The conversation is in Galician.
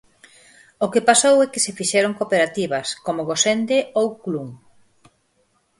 O que pasou é que se fixeron cooperativas, como Gosende ou Clun.